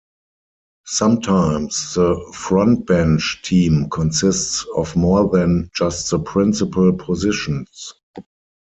Sometimes the frontbench team consists of more than just the principal positions.